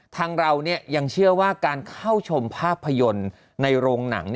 ทางเรายังเชื่อว่าการเข้าชมภาพยนตร์ในโรงหนัง